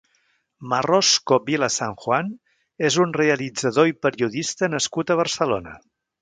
Morrosko Vila-San-Juan és un realitzador i periodista nascut a Barcelona.